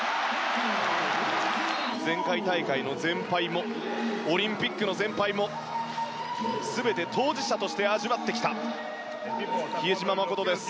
前回大会の全敗もオリンピックの全敗も全て当事者として味わってきた比江島慎です。